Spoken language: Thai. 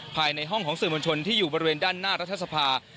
ภายในห้องของสื่อมวลชนที่อยู่บริเวณด้านหน้ารัฐสภา